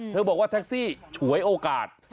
บอกว่าแท็กซี่ฉวยโอกาส